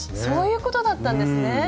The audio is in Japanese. そういうことだったんですね。